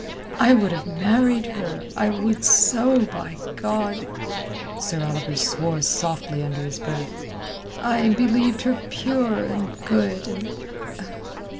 I would have married her, I would so, by God." Sir Oliver swore softly under his breath. "I believed her pure and good, and...."